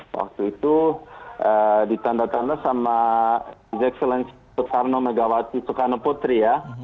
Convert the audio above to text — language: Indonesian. waktu itu ditanda tanda sama jekselensi tukarno megawati tukano putri ya